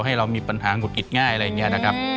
ให้เรามีปัญหาหงุดหงิดง่ายอะไรอย่างนี้นะครับ